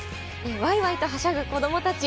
わいわいとはしゃぐ子どもたち。